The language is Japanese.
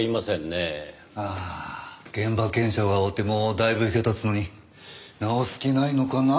ああ現場検証が終わってもうだいぶ日が経つのに直す気ないのかな？